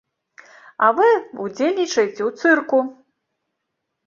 А вы ўдзельнічаеце ў цырку.